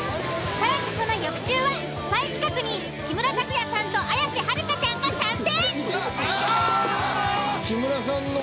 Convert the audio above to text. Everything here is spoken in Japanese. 更にその翌週はスパイ企画に木村拓哉さんと綾瀬はるかちゃんが参戦！